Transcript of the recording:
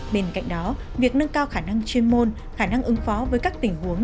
bên cạnh đó việc nâng cao khả năng chuyên môn khả năng ứng phó với các tình huống